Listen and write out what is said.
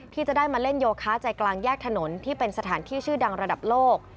ที่จะได้มาเล่นโยคะใจกลางแยกถนนที่เป็นสถานที่ชื่อดังระดับโลก